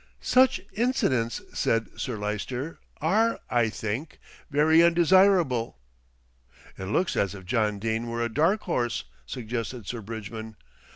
"Such incidents," said Sir Lyster, "are, I think, very undesirable." "It looks as if John Dene were a dark horse," suggested Sir Bridgman.